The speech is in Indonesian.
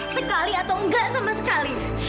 sekali atau enggak sama sekali